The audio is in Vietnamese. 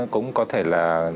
cũng có thể là